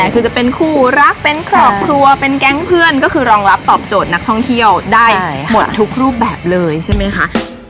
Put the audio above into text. คือจะเป็นคู่รักเป็นครอบครัวเป็นแก๊งเพื่อนก็คือรองรับตอบโจทย์นักท่องเที่ยวได้หมดทุกรูปแบบเลยใช่ไหมคะ